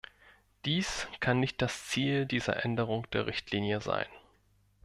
Dies kann nicht das Ziel dieser Änderung der Richtlinie sein.